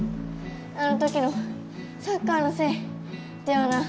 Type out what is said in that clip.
あの時のサッカーのせいだよな。